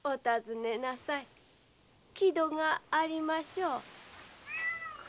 木戸がありましょう？